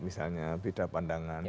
misalnya beda pandangan